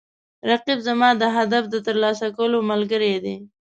رقیب زما د هدف د ترلاسه کولو ملګری دی